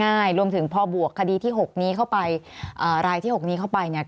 ง่ายรวมถึงพอบวกคดีที่๖นี้เข้าไปรายที่๖นี้เข้าไปเนี่ย